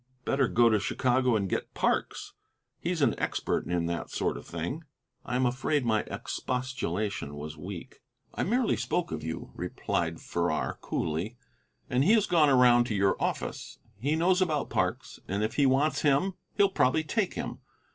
"Better go to Chicago and get Parks. He's an expert in that sort of thing." I am afraid my expostulation was weak. "I merely spoke of you," replied Farrar, coolly, "and he has gone around to your office. He knows about Parks, and if he wants him he'll probably take him.